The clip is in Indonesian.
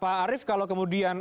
pak arief kalau kemudian